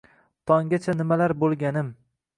Tonggacha nimalar boʼlganim.